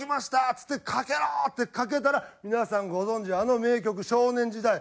っつって「かけろ！」ってかけたら皆さんご存じあの名曲『少年時代』。